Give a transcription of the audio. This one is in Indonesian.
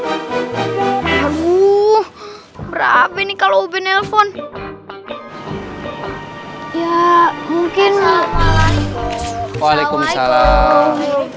abu abu berapa ini kalau ubin telepon ya mungkin waalaikumsalam waalaikumsalam